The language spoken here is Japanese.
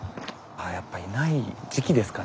あやっぱいない時期ですかね。